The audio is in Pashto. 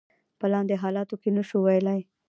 په لاندې حالاتو کې نشو ویلای.